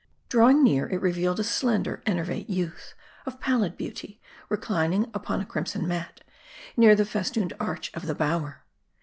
Drawing near, it revealed a slender, enervate youth, of pallid beauty, reclining upon a crimson mat, near the fes tooned arch of the bower.